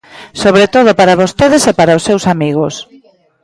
Sobre todo para vostedes e para os seus amigos.